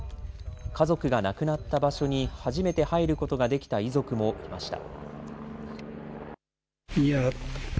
家族が亡くなった場所に初めて入ることができた遺族もいました。